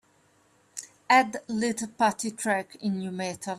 add little pattie track in Nu Metal